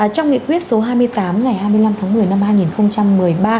trong nghị quyết số hai mươi tám ngày hai mươi năm tháng một mươi năm hai nghìn một mươi ba